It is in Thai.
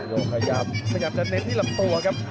โหขยับขยับจะเน็ตที่หลับตัวครับ